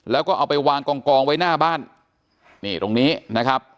แล้วก็เอาไปวางกองกองไว้หน้าบ้านนี่ตรงนี้นะครับ